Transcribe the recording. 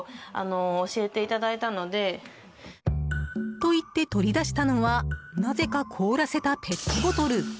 と言って取り出したのはなぜか凍らせたペットボトル。